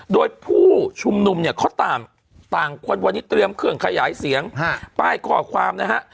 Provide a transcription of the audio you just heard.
โดยผู้ชุมนุมเนี่ยเขาต่างคนวันนี้เตรียมเครื่องขยายเสียงป้ายข้อความนะฮะ